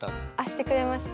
してくれました。